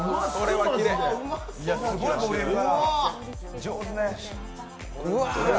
すごいボリューム。